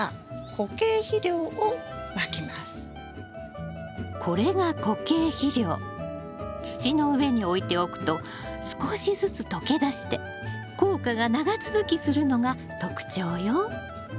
これが土の上に置いておくと少しずつ溶け出して効果が長続きするのが特徴よ。